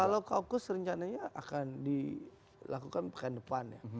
kalau kaukus rencananya akan dilakukan pekan depan ya